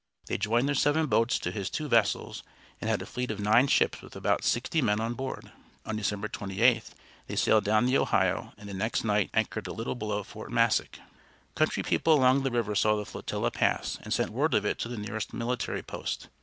They joined their seven boats to his two vessels, and had a fleet of nine ships with about sixty men on board. On December 28th they sailed down the Ohio, and the next night anchored a little below Fort Massac. Country people along the river saw the flotilla pass, and sent word of it to the nearest military post.